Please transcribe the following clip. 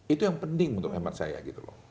itu yang penting menurut hemat saya gitu loh